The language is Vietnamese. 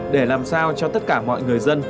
để làm sao cho tất cả mọi người dân